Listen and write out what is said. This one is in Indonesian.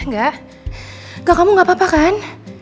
gak gak kamu gak apa apa kan